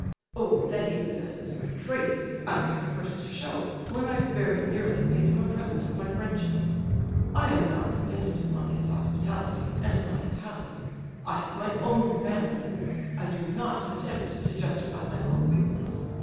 "Oh, that he possesses good traits, I was the first to show, when I very nearly made him a present of my friendship. I am not dependent upon his hospitality, and upon his house; I have my own family. I do not attempt to justify my own weakness.